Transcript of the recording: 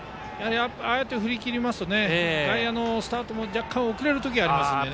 ああやって振り切りますと外野のスタートも若干後れる時がありますから。